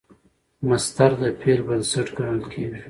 مصدر د فعل بنسټ ګڼل کېږي.